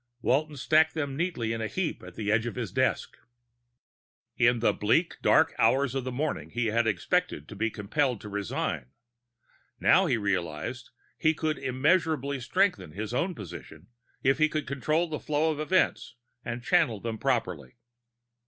Walton stacked them neatly in a heap at the edge of his desk. In the bleak, dark hours of the morning, he had expected to be compelled to resign. Now, he realized, he could immeasurably strengthen his own position if he could control the flow of events and channel them properly.